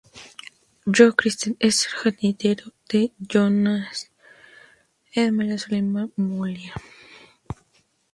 Johann Christian Metzger era hijo del jardinero "Johannes Metzger" y de Maria Salome Müller.